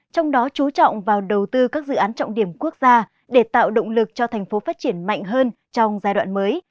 trong đó chú trọng vào đầu tư các dự án trọng điểm quốc gia để tạo động lực cho thành phố phát triển mạnh hơn trong giai đoạn mới